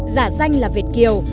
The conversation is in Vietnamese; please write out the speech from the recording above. giả danh là việt kiều